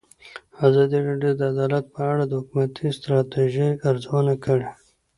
ازادي راډیو د عدالت په اړه د حکومتي ستراتیژۍ ارزونه کړې.